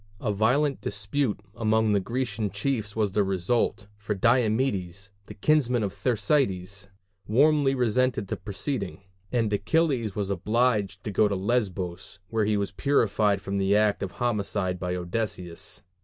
A violent dispute among the Grecian chiefs was the result, for Diomedes, the kinsman of Thersites, warmly resented the proceeding; and Achilles was obliged to go to Lesbos, where he was purified from the act of homicide by Odysseus.